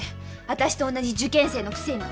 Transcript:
私と同じ受験生のくせに！